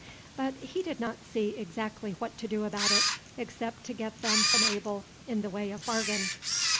But he did not see exactly what to do about it, except to get them from Abel in the way of bargain.